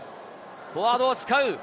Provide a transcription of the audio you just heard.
フォワードを使う。